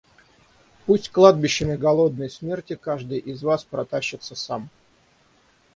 Пусть кладбищами голодной смерти каждый из вас протащится сам!